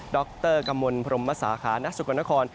ดรกัมมนต์พรมศาขานักศึกรรมนคร